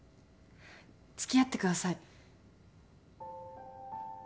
つきあってください。